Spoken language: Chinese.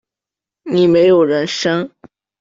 你没有人生